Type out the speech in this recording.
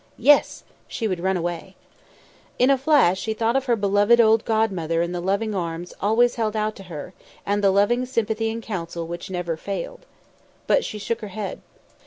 Yes! she would run away. In a flash she thought of her beloved old godmother and the loving arms always held out to her, and the loving sympathy and counsel which never failed. But she shook her head.